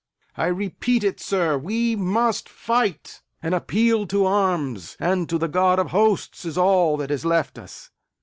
I repeat it, sir, we must fight! An appeal to arms and to the God of Hosts is all that is left us!